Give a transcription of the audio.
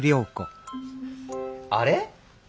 あれ？